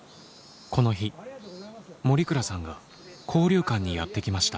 この日森倉さんが交流館にやって来ました。